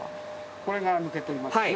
これが抜けていますね。